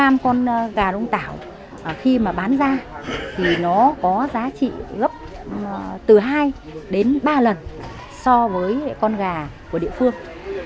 năm con gà đông tảo khi mà bán ra thì nó có giá trị gấp từ hai đến ba lần so với con gà của địa phương